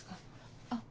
あっ。